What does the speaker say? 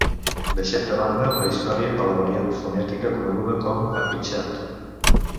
Deixem de banda la història de la variant fonètica coneguda com a apitxat.